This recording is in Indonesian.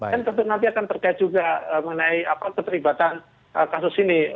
dan tentu nanti akan terkait juga mengenai keterlibatan kasus ini